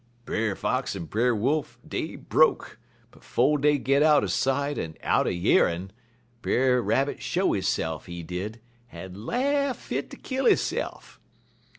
"Brer Fox en Brer Wolf, dey broke, but 'fo' dey got outer sight en outer yar'n', Brer Rabbit show hisse'f, he did, en laugh fit ter kill hisse'f.